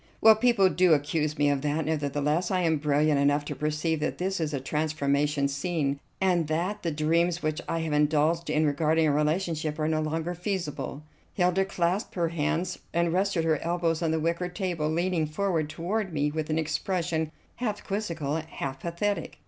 "Well, people do accuse me of that; nevertheless I am brilliant enough to perceive that this is a transformation scene, and that the dreams which I have indulged in regarding our relationship are no longer feasible." Hilda clasped her hands and rested her elbows on the wicker table, leaning forward toward me with an expression half quizzical, half pathetic.